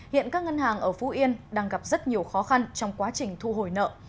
hiện các ngân hàng ở phú yên đang gặp rất nhiều khó khăn trong quá trình thu hồi nợ